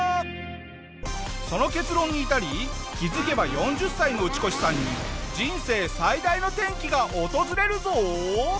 その結論に至り気づけば４０歳のウチコシさんに人生最大の転機が訪れるぞ！